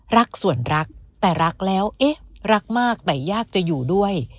รักส่วนรักแต่รักแล้วเอ๊ะรักมากแต่ยากจะอยู่ด้วย